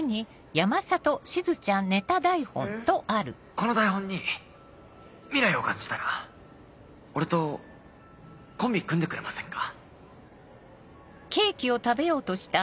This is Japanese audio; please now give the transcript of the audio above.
この台本に未来を感じたら俺とコンビ組んでくれませんか？